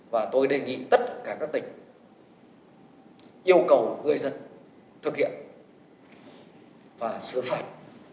và tôi đề nghị tất cả các tỉnh yêu cầu người dân thực hiện và xử phạt